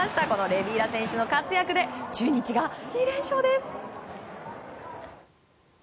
レビーラ選手の活躍で中日が２連勝です。